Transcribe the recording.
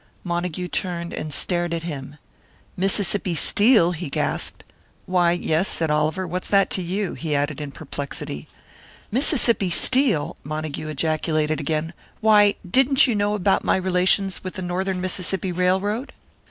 Montague turned and stared at him. "Mississippi Steel!" he gasped. "Why, yes," said Oliver. "What's that to you?" he added, in perplexity. "Mississippi Steel!" Montague ejaculated again. "Why, didn't you know about my relations with the Northern Mississippi Railroad?"